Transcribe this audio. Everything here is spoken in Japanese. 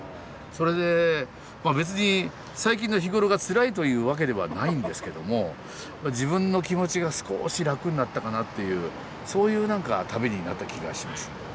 それで別に最近の日頃がつらいというわけではないんですけども自分の気持ちが少し楽になったかなというそういう旅になった気がします。